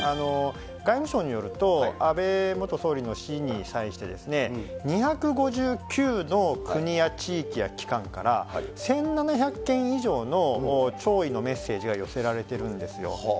外務省によると、安倍元総理の死に際して２５９の国や地域や機関から、１７００件以上の弔意のメッセージが寄せられているんですよ。